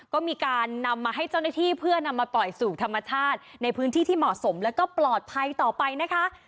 ก็มีการนำมาให้เจ้าหน้าที่เพื่อนำมาปล่อยสู่ธรรมชาติในพื้นที่ที่เหมาะสมแล้วก็ปลอดภัยต่อไปนะคะ